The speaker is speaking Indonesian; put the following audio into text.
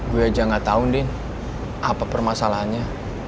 gue aja nggak tahu nih apa permasalahannya